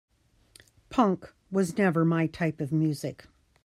Punk was never my type of music.